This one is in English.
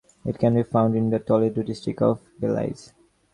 It can be found in the Toledo district of Belize.